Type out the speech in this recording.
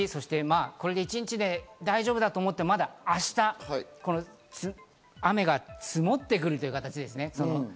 これで大丈夫だと思っても、また明日、雨が積もってくる形です。